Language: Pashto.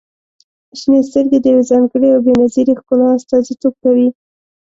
• شنې سترګې د يوې ځانګړې او بې نظیرې ښکلا استازیتوب کوي.